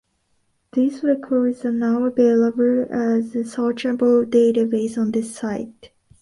These records are now available as a searchable database on this site.